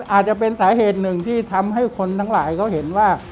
อาจจะเป็นสาเหตุหนึ่งที่ทำให้คนทั้งหลายเขาเห็นว่า